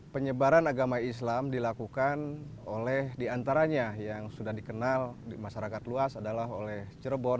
penyebaran agama islam dilakukan oleh diantaranya yang sudah dikenal di masyarakat luas adalah oleh cirebon